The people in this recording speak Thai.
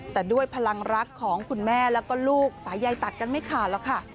แต่ด้วยพลังรักของคุณแม่แล้วก็ลูกสายใยตัดกันไม่ขาดหรอกค่ะ